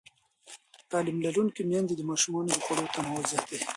تعلیم لرونکې میندې د ماشومانو د خواړو تنوع زیاتوي.